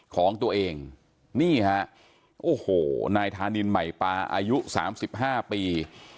ของตัวเองนี่ฮะโอ้โหนายธานินใหม่ปาอายุ๓๕ปี